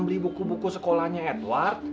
beli buku buku sekolahnya edward